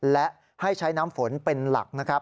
และให้ใช้น้ำฝนเป็นหลักนะครับ